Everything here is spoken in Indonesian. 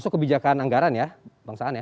itu bijakan anggaran ya bangsaan ya